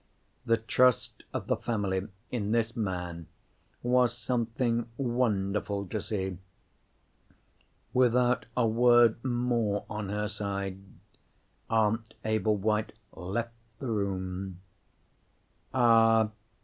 The trust of the family in this man was something wonderful to see. Without a word more, on her side, Aunt Ablewhite left the room. "Ah!"